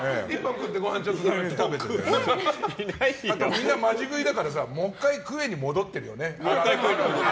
みんなマジ食いだからもう１回クエに戻ってるよね。